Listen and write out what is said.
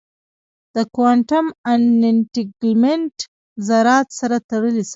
د کوانټم انټنګلمنټ ذرات سره تړلي ساتي.